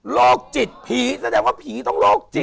โรคจิตผีแสดงว่าผีต้องโรคจิต